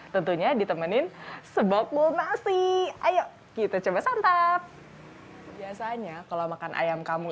tentunya ditemenin sebab bol nasi ayo kita coba santap biasanya kalau makan ayam kampung